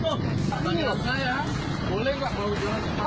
mobil bapak dewan parkir tapi mau anggota dewan jangan marah marah